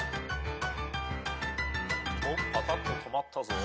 おっぱたっと止まったぞ。